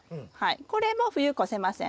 これも冬越せません。